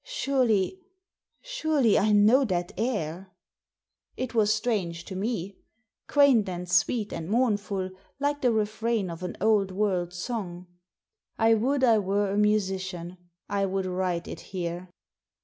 "Surely — surely I know that air!" It was strange to me. Quaint and sweet and mournful, like the refrain of an old world song. I would I were a musician. I would write it here.